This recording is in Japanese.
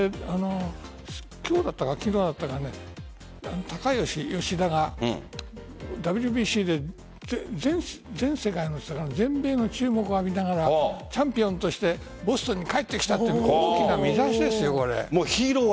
今日だったか昨日だったか吉田がＷＢＣで全世界で全米の注目を浴びながらチャンピオンとしてボストンに帰ってきたと大きな見出しです、これ。